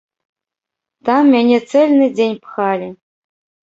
Там мяне цэльны дзень пхалі.